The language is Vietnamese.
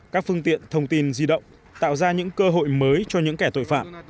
các phương tiện thông tin di động tạo ra những cơ hội mới cho những kẻ tội phạm